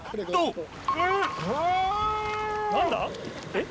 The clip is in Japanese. えっ？